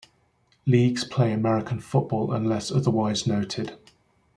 Leagues play American football unless otherwise noted.